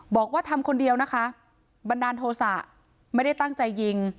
บอกว่าทำคนเดียวนะคะบันดาลโทษะไม่ได้ตั้งใจยิง